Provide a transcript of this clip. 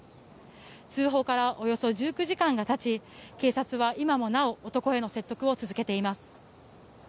通報からおよそ１９時間がたち警察は今もなお男への説得を続けています。